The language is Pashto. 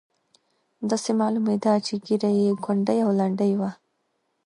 داسې معلومېده چې ږیره یې کونډۍ او لنډۍ وه.